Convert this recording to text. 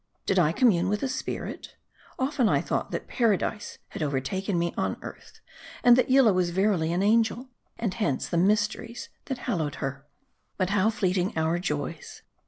Did I commune with a spirit ? Often 1 thought that Paradise had overtaken me on earth, and that Yillah was verily an angel, and hence the mysteries that hallowed her. But how fleeting our joys.